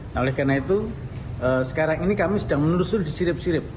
nah oleh karena itu sekarang ini kami sedang menelusuri disirip sirip